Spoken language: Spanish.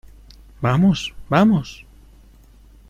¡ vamos! ¡ vamos !